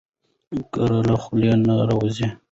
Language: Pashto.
ګړه له خولې نه راوځي.